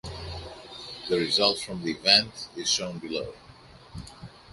The results from the event is shown below.